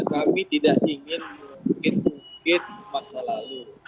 kami tidak ingin mungkin masa lalu